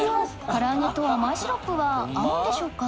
唐揚げと甘いシロップは合うんでしょうか？